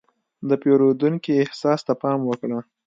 د پیرودونکي احساس ته پام وکړه.